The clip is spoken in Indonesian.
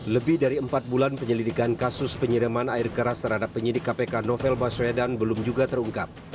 lebih dari empat bulan penyelidikan kasus penyiraman air keras terhadap penyidik kpk novel baswedan belum juga terungkap